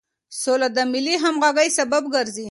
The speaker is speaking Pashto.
سوله د ملي همغږۍ سبب ګرځي.